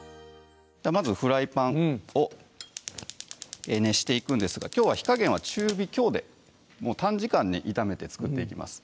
まずフライパンを熱していくんですがきょうは火加減は中火強で短時間に炒めて作っていきます